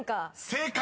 ［正解！